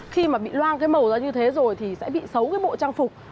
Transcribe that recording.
khi mà bị loan cái màu ra như thế rồi thì sẽ bị xấu cái bộ trang phục